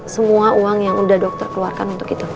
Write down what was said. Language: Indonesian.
semua uang yang udah dokter keluarkan untuk itu